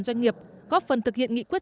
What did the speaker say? doanh nghiệp góp phần thực hiện nghị quyết